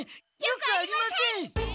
よくありません！